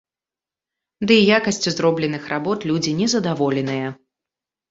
Ды і якасцю зробленых работ людзі не задаволеныя.